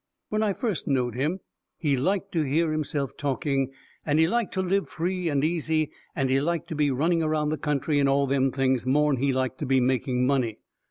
When I first knowed him he liked to hear himself talking and he liked to live free and easy and he liked to be running around the country and all them things, more'n he liked to be making money.